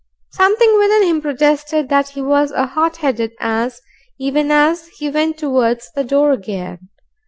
Something within him protested that he was a hot headed ass even as he went towards the door again.